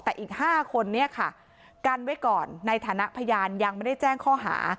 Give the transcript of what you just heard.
แต่อีก๕คนเนี่ยค่ะกันไว้ก่อนในฐานะพยานยังไม่ได้แจ้งข้อหา